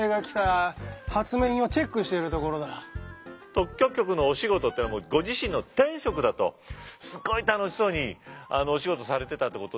特許局のお仕事ってのはご自身の天職だとすごい楽しそうにお仕事されてたってことですけど。